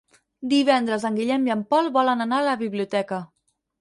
Divendres en Guillem i en Pol volen anar a la biblioteca.